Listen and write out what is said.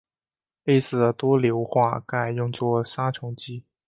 类似的多硫化钙用作杀虫剂。